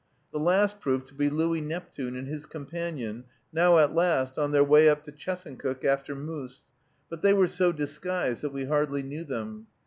The last proved to be Louis Neptune and his companion, now, at last, on their way up to Chesuncook after moose, but they were so disguised that we hardly knew them.